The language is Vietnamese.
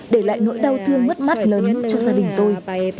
để lại nỗi đau thương mất mát lớn cho gia đình tôi